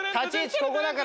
ここだから！